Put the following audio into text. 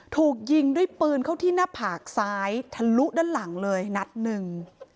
ถูกยิงด้วยปืนเข้าที่หน้าผากซ้ายทะลุด้านหลังเลยนัดหนึ่ง